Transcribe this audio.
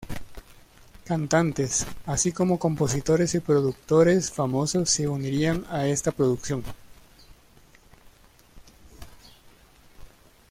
Cantantes, así como compositores y productores famosos se unirían a esta producción.